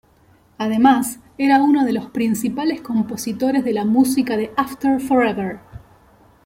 Además era uno de los principales compositores de la música de After Forever.